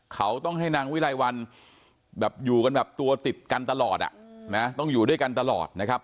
เขาต้องให้นางวิไลวันแบบอยู่กันแบบตัวติดกันตลอดต้องอยู่ด้วยกันตลอดนะครับ